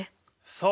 そう！